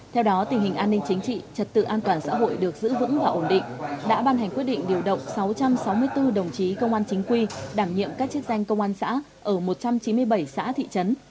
theo đó tình hình an ninh chính trị trật tự an toàn xã hội được giữ vững và ổn định đã ban hành quyết định điều động sáu trăm sáu mươi bốn đồng chí công an chính quy đảm nhiệm các chức danh công an xã ở một trăm chín mươi bảy xã thị trấn